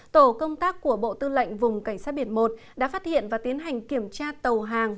tổ công tác của bộ tư lệnh vùng cảnh sát biển một đã phát hiện và tiến hành kiểm tra tàu hàng